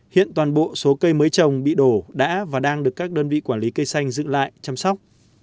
hiện toàn bộ số cây mới trồng bị đổ đã và đang được các đơn vị quản lý cây xanh giữ lại chăm sóc